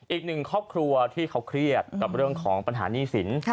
อีกหนึ่งครอบครัวที่เขาเครียดกับเรื่องของปัญหาหนี้สิน